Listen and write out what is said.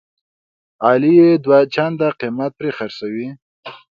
علي یې دوه چنده قیمت پرې خرڅوي.